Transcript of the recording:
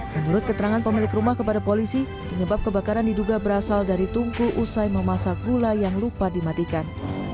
menurut keterangan pemilik rumah kepada polisi penyebab kebakaran diduga berasal dari tungku usai memasak gula yang lupa dimatikan